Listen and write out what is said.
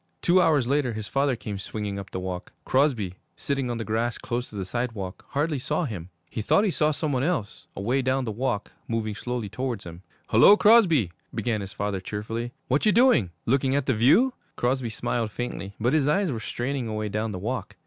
Two hours later, his father came swinging up the walk. Crosby, sitting on the grass close to the sidewalk, hardly saw him. He thought he saw some one else away down the walk moving slowly towards him. 'Hullo, Crosby,' began his father cheerfully. 'What you doing? Looking at the view?' Crosby smiled faintly, but his eyes were straining away down the walk.